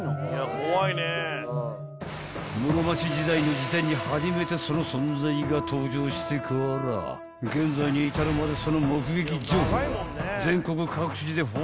［室町時代の辞典に初めてその存在が登場してから現在に至るまでその目撃情報は全国各地で報告されてきた］